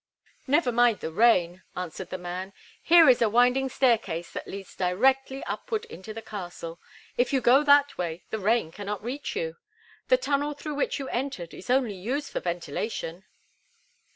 "Never mind the rain," answered the man. "Here is a winding staircase that leads directly upward into the castle. If you go that way, the rain cannot reach you. The tunnel through which you entered is only used for ventilation."